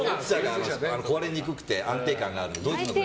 壊れにくくて安定感がある。